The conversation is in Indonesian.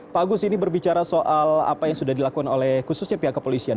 pak agus ini berbicara soal apa yang sudah dilakukan oleh khususnya pihak kepolisian